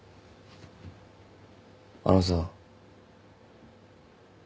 あのさ。